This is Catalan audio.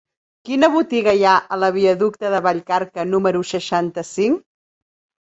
Quina botiga hi ha a la viaducte de Vallcarca número seixanta-cinc?